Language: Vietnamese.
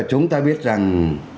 chúng ta biết rằng